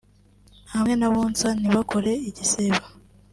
hamwe n’abonsa ntibakora igisibo